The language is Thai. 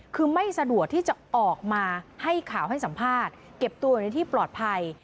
คือไม่สะดวกที่จะออกมาให้ข่าวให้สัมภาษณ์เก็บตัวอยู่ในที่ปลอดภัย